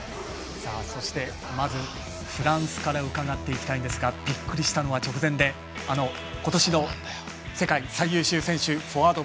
そして、フランスから伺っていきたいんですがびっくりしたのは直前で今年の世界最優秀選手フォワード